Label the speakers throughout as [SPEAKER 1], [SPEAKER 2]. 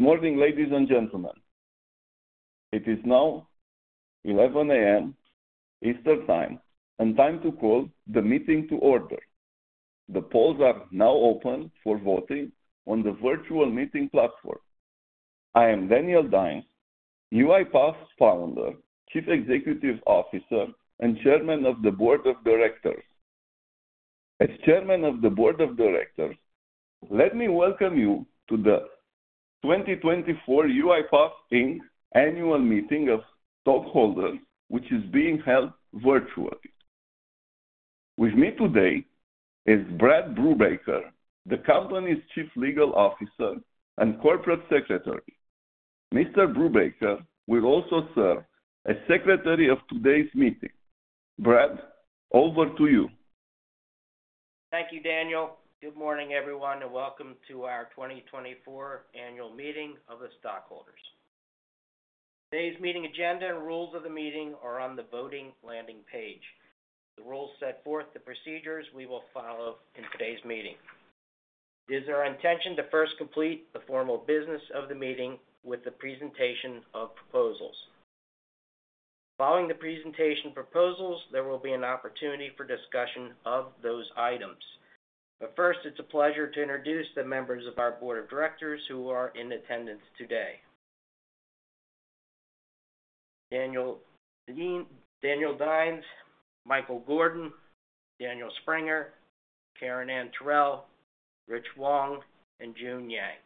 [SPEAKER 1] Good morning, ladies and gentlemen. It is now 11:00 A.M. Eastern Time and time to call the meeting to order. The polls are now open for voting on the virtual meeting platform. I am Daniel Dines, UiPath's Founder, Chief Executive Officer, and Chairman of the Board of Directors. As Chairman of the Board of Directors, let me welcome you to the 2024 UiPath Inc. Annual Meeting of Stockholders, which is being held virtually. With me today is Brad Brubaker, the company's Chief Legal Officer and Corporate Secretary. Mr. Brubaker will also serve as secretary of today's meeting. Brad, over to you.
[SPEAKER 2] Thank you, Daniel. Good morning, everyone, and welcome to our 2024 annual meeting of the stockholders. Today's meeting agenda and rules of the meeting are on the voting landing page. The rules set forth the procedures we will follow in today's meeting. It is our intention to first complete the formal business of the meeting with the presentation of proposals. Following the presentation of proposals, there will be an opportunity for discussion of those items. But first, it's a pleasure to introduce the members of our board of directors who are in attendance today. Daniel Dines, Michael Gordon, Daniel Springer, Karen Ann Terrell, Rich Wong, and June Yang.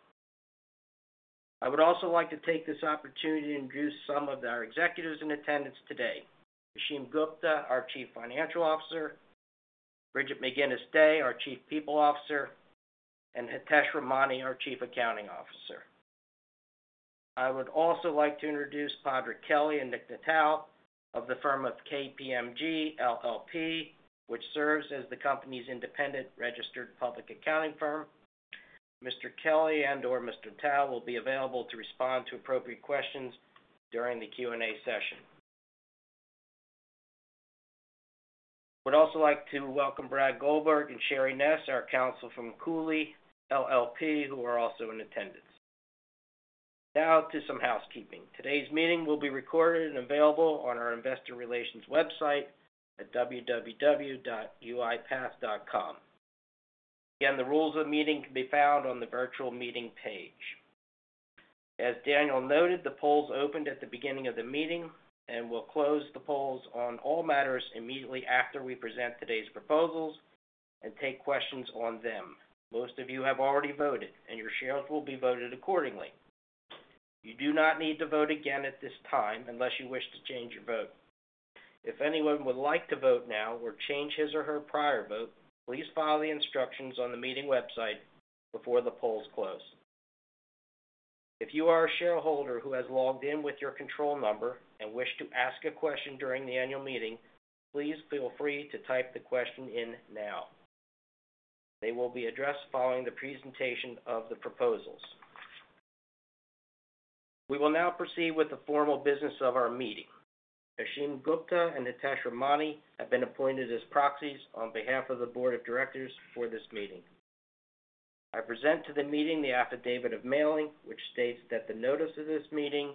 [SPEAKER 2] I would also like to take this opportunity to introduce some of our executives in attendance today. Ashim Gupta, our Chief Financial Officer, Brigette McInnis, our Chief People Officer, and Hitesh Ramani, our Chief Accounting Officer. I would also like to introduce Padraig Kelly and Nick Nadal of the firm of KPMG LLP, which serves as the company's independent registered public accounting firm. Mr. Kelly and Mr. Nadal will be available to respond to appropriate questions during the Q&A session. I would also like to welcome Brad Goldberg and Cheryl Ness, our counsel from Cooley LLP, who are also in attendance. Now to some housekeeping. Today's meeting will be recorded and available on our investor relations website at www.uipath.com. Again, the rules of meeting can be found on the virtual meeting page. As Daniel noted, the polls opened at the beginning of the meeting, and we'll close the polls on all matters immediately after we present today's proposals and take questions on them. Most of you have already voted, and your shares will be voted accordingly. You do not need to vote again at this time unless you wish to change your vote. If anyone would like to vote now or change his or her prior vote, please follow the instructions on the meeting website before the polls close. If you are a shareholder who has logged in with your control number and wish to ask a question during the annual meeting, please feel free to type the question in now. They will be addressed following the presentation of the proposals. We will now proceed with the formal business of our meeting. Ashim Gupta and Hitesh Ramani have been appointed as proxies on behalf of the Board of Directors for this meeting. I present to the meeting the affidavit of mailing, which states that the notice of this meeting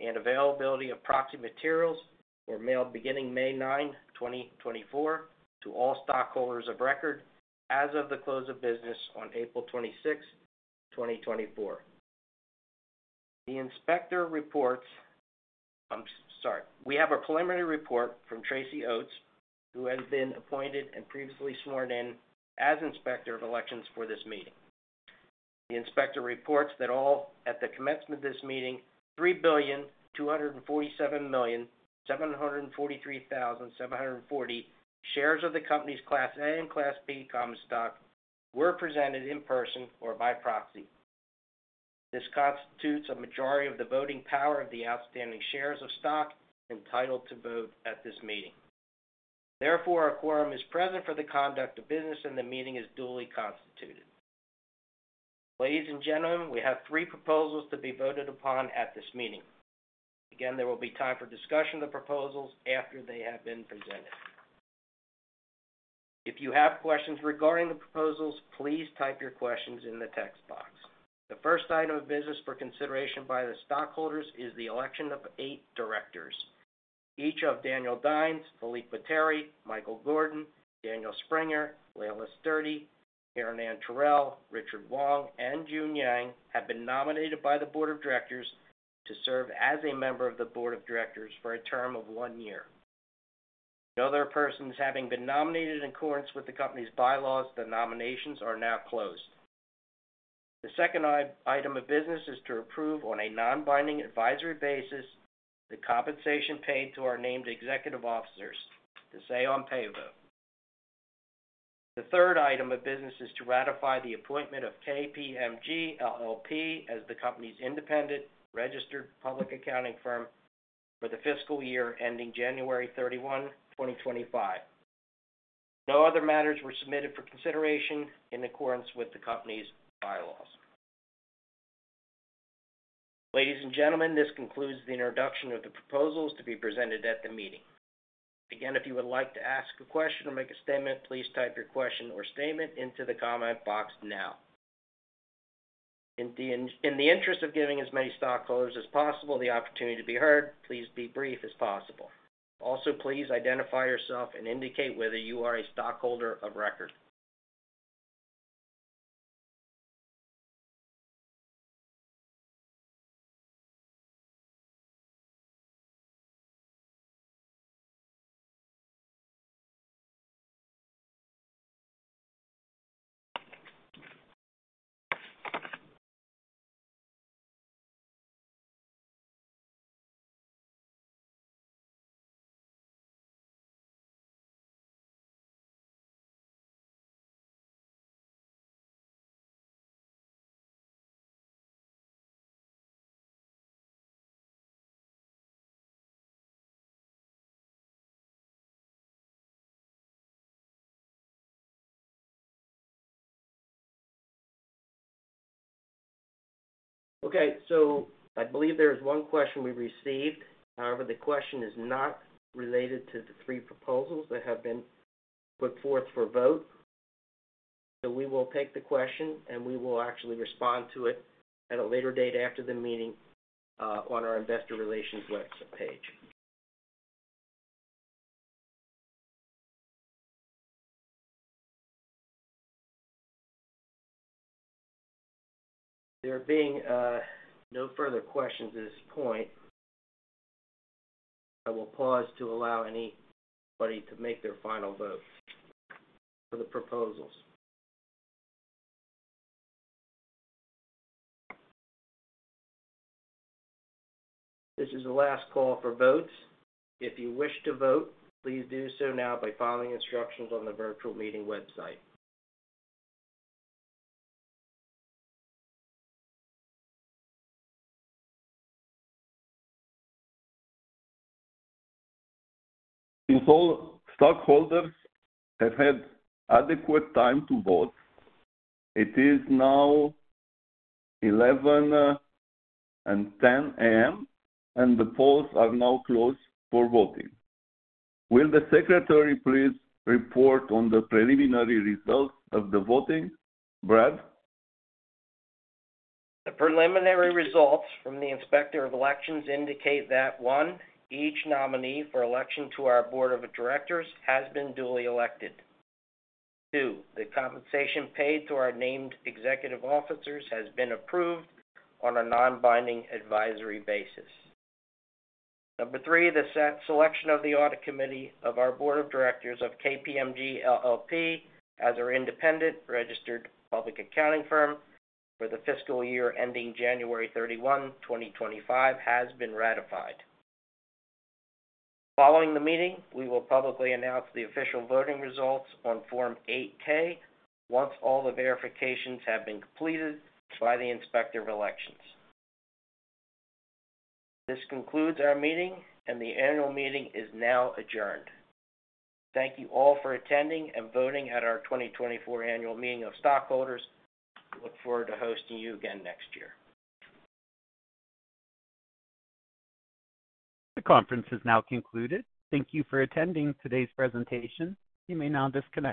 [SPEAKER 2] and availability of proxy materials were mailed beginning May 9, 2024, to all stockholders of record as of the close of business on April 26, 2024. The inspector reports... I'm sorry. We have a preliminary report from Tracey Oates, who has been appointed and previously sworn in as Inspector of Elections for this meeting. The inspector reports that at the commencement of this meeting, 3,247,743,740 shares of the company's Class A and Class B common stock were presented in person or by proxy. This constitutes a majority of the voting power of the outstanding shares of stock entitled to vote at this meeting. Therefore, our quorum is present for the conduct of business, and the meeting is duly constituted. Ladies and gentlemen, we have three proposals to be voted upon at this meeting. Again, there will be time for discussion of the proposals after they have been presented. If you have questions regarding the proposals, please type your questions in the text box. The first item of business for consideration by the stockholders is the election of eight directors. Each of Daniel Dines, Philippe Botteri, Michael Gordon, Daniel Springer, Laela Sturdy, Karen Ann Terrell, Rich Wong, and June Yang have been nominated by the board of directors to serve as a member of the board of directors for a term of one year. No other persons having been nominated in accordance with the company's bylaws, the nominations are now closed. The second item of business is to approve, on a non-binding advisory basis, the compensation paid to our named executive officers to say-on-pay vote. The third item of business is to ratify the appointment of KPMG LLP as the company's independent registered public accounting firm for the fiscal year ending January 31, 2025. No other matters were submitted for consideration in accordance with the company's bylaws. Ladies and gentlemen, this concludes the introduction of the proposals to be presented at the meeting. Again, if you would like to ask a question or make a statement, please type your question or statement into the comment box now. In the interest of giving as many stockholders as possible the opportunity to be heard, please be as brief as possible. Also, please identify yourself and indicate whether you are a stockholder of record. Okay, so I believe there is one question we received. However, the question is not related to the three proposals that have been put forth for vote. So we will take the question, and we will actually respond to it at a later date after the meeting on our investor relations website page. There being no further questions at this point, I will pause to allow anybody to make their final vote for the proposals. This is the last call for votes. If you wish to vote, please do so now by following the instructions on the virtual meeting website.
[SPEAKER 1] Since all stockholders have had adequate time to vote, it is now 11:10 A.M., and the polls are now closed for voting. Will the Secretary please report on the preliminary results of the voting? Brad?
[SPEAKER 2] The preliminary results from the Inspector of Elections indicate that, one, each nominee for election to our Board of Directors has been duly elected. Two, the compensation paid to our named executive officers has been approved on a non-binding advisory basis. Three, the selection by the Audit Committee of our Board of Directors of KPMG LLP, as our independent registered public accounting firm for the fiscal year ending January 31, 2025, has been ratified. Following the meeting, we will publicly announce the official voting results on Form 8-K once all the verifications have been completed by the Inspector of Elections. This concludes our meeting, and the annual meeting is now adjourned. Thank you all for attending and voting at our 2024 Annual Meeting of Stockholders. We look forward to hosting you again next year.
[SPEAKER 3] The conference is now concluded. Thank you for attending today's presentation. You may now disconnect.